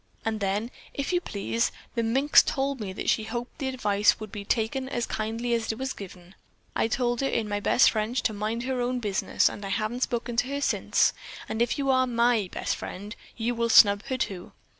And then, if you please, the minx told me that she hoped the advice would be taken as kindly as it was given. I told her in my best French to mind her own business, and I haven't spoken to her since, and if you are my friend, you will snub her too.